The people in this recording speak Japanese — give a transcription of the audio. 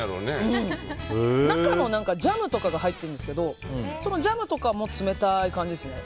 中にジャムとかが入っているんですけどそのジャムとかも冷たい感じですね。